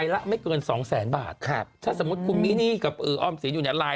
แน่นอนนะครับช่างจะไม่พูดเยอะ